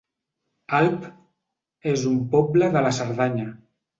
Alp es un poble de la Cerdanya